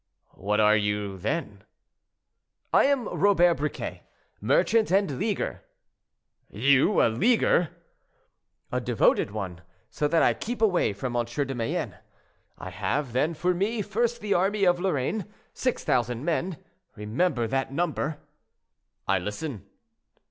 "What are you, then?" "I am Robert Briquet, merchant and leaguer." "You a leaguer?" "A devoted one, so that I keep away from M. de Mayenne. I have, then, for me, first, the army of Lorraine—six thousand men; remember that number." "I listen."